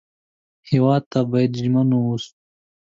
هېواد ته باید ژمن و اوسو